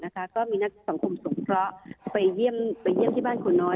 ก็มีนักสังคมสงเคราะห์ไปเยี่ยมที่บ้านครูน้อย